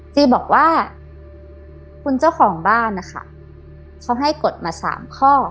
จีบอกว่าคุณเจ้าของบ้านนะคะเขาให้กฎมา๓ข้อ